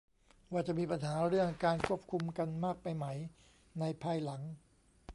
ว่าจะมีปัญหาเรื่องการควบคุมกันมากไปไหมในภายหลัง